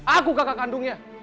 aku kakak kandungnya